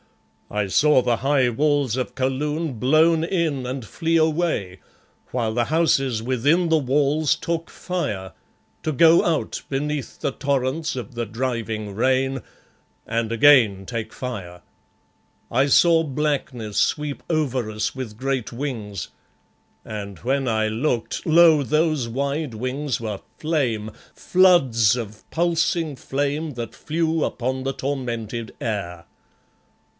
I saw the high walls of Kaloon blown in and flee away, while the houses within the walls took fire, to go out beneath the torrents of the driving rain, and again take fire. I saw blackness sweep over us with great wings, and when I looked, lo! those wide wings were flame, floods of pulsing flame that flew upon the tormented air.